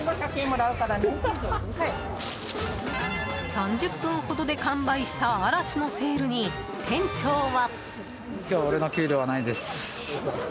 ３０分ほどで完売した嵐のセールに、店長は。